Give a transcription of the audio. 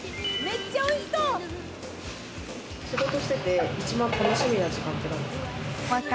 仕事してて、一番楽しみな時間って何ですか？